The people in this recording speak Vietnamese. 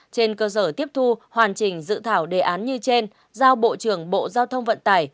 trên cơ sở tiếp thu hoàn chỉnh dự thảo đề án như trên giao bộ trưởng bộ giao thông vận tải